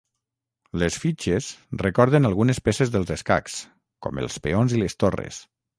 Les fitxes recorden algunes peces dels escacs, com els peons i les torres.